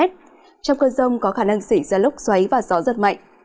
trong cơn rông có khả năng xỉn ra lốc xoáy và gió rất mạnh